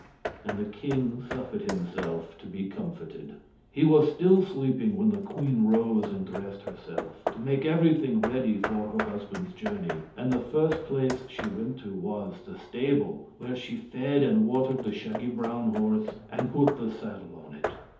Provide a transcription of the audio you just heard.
And the king suffered himself to be comforted. He was still sleeping when the queen rose and dressed herself, to make everything ready for her husband's journey; and the first place she went to was the stable, where she fed and watered the shaggy brown horse and put the saddle on it.